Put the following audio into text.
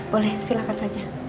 boleh silahkan saja